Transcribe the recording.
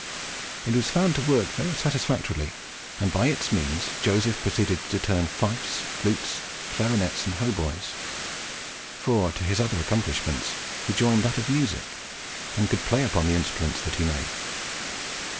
It was found to work very satisfactorily, and by its means Joseph proceeded to turn fifes, flutes, clarinets, and hautboys; for to his other accomplishments he joined that of music, and could play upon the instruments that he made.